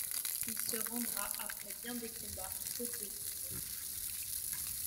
Il se rendra après bien des combats faute de vivres.